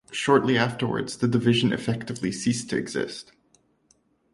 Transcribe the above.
Shortly afterwards the division effectively ceased to exist.